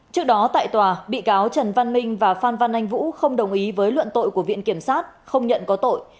trước đó tại tòa bị cáo trần văn minh và phan văn anh vũ không đồng ý với luận tội của viện kiểm sát không nhận có tội